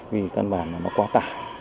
vì căn bàn nó quá tải